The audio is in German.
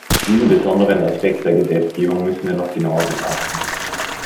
Diesen besonderen Aspekt der Gesetzgebung müssen wir noch genauer betrachten.